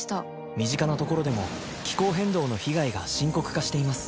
身近な所でも気候変動の被害が深刻化しています